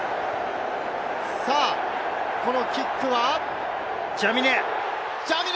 さぁ、このキックはジャミネ！